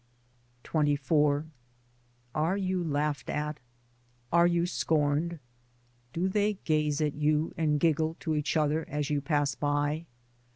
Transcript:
XXIV Are you laughed at, are you scorned? Do they gaze at you and giggle to each other as you pass by